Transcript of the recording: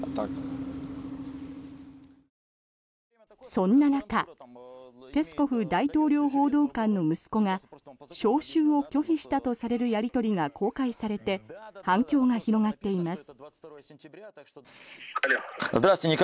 そんな中ペスコフ大統領報道官の息子が招集を拒否したとされるやり取りが公開されて反響が広がっています。